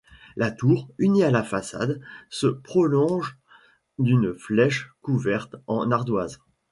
La tour, unie à la façade, se prolonge d'une flèche couverte en ardoises.